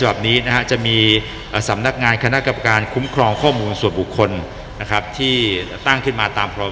ก็ดีนะครับทำหน้าที่ในการฝุกอบรวมเจ้าที่ที่เกี่ยวข้องนะครับแล้วก็ทำหน้าที่ในการประสาห์งานต่างต่างครับ